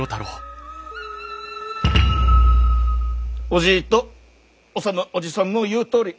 おじぃと修おじさんの言うとおり。